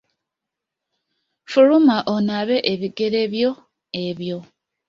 Fuluma onaabe ebigere byo ebyo.